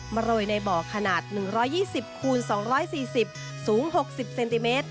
โรยในบ่อขนาด๑๒๐คูณ๒๔๐สูง๖๐เซนติเมตร